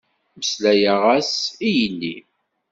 Meslayeɣ-as i yelli.